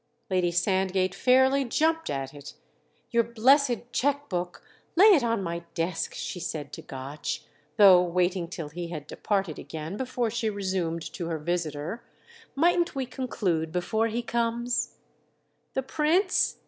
Lady Sandgate fairly jumped at it. "Your blessed cheque book. Lay it on my desk," she said to Gotch, though waiting till he had departed again before she resumed to her visitor: "Mightn't we conclude before he comes?" "The Prince?"